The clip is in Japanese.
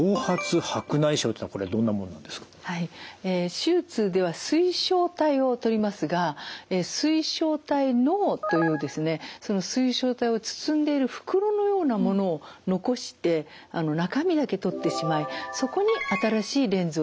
手術では水晶体を取りますが水晶体嚢というですね水晶体を包んでいる袋のようなものを残して中身だけ取ってしまいそこに新しいレンズを入れていきます。